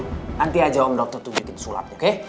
nanti aja om dokter tuh bikin sulap oke